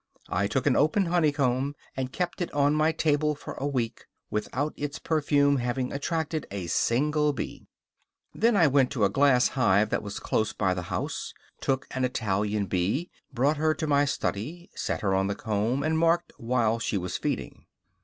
I took an open honeycomb, and kept it on my table for a week, without its perfume having attracted a single bee. Then I went to a glass hive that was close by the house, took an Italian bee, brought her in to my study, set her on the comb, and marked while she was feeding.